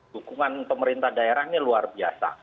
dukungan pemerintah daerah ini luar biasa